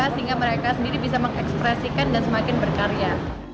sehingga mereka sendiri bisa mengekspresikan dan semakin berkarya